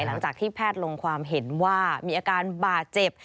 หลังจากที่แพทย์ลงความเห็นว่ามีอาการบาดเจ็บ